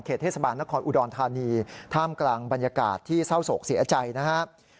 เทศบาลนครอุดรธานีท่ามกลางบรรยากาศที่เศร้าโศกเสียใจนะครับ